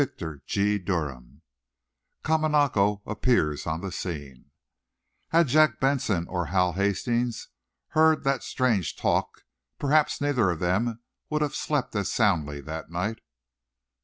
CHAPTER IV KAMANAKO APPEARS ON THE SCENE Had Jack Benson or Hal Hastings heard that strange talk, perhaps neither of them would have slept as soundly that night.